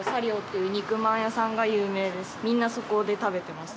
みんな、そこで食べてます。